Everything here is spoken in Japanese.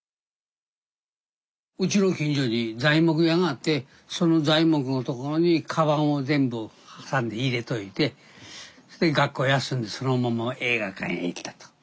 うちの近所に材木屋があってその材木のところにカバンを全部挟んで入れといて学校休んでそのまま映画館へ行ったと。